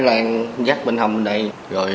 để em gặp xe đồng